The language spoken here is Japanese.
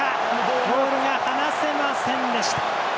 ボールが離せませんでした。